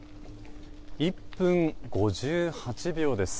１分５８秒です。